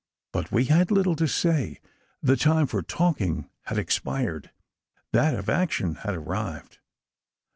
But we had little to say. The time for talking had expired: that of action had arrived.